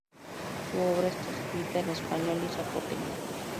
Su obra está escrita en español y zapoteco.